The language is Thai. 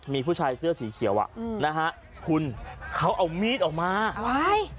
มีผู้ชายเสื้อสีเขียวอ่ะอืมนะฮะคุณเขาเอามีดออกมาว้าย